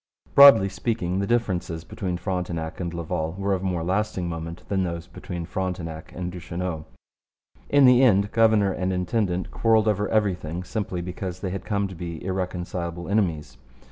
Broadly speaking, the differences between Frontenac and Laval were of more lasting moment than those between Frontenac and Duchesneau. In the end governor and intendant quarrelled over everything simply because they had come to be irreconcilable enemies.